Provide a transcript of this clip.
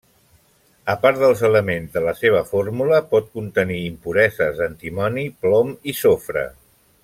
A part dels elements de la seva fórmula, pot contenir impureses d'antimoni, plom i sofre.